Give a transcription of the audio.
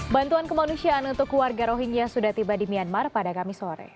bantuan kemanusiaan untuk keluarga rohingya sudah tiba di myanmar pada kamis sore